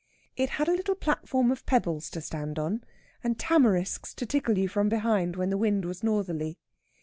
It had a little platform of pebbles to stand on, and tamarisks to tickle you from behind when the wind was northerly.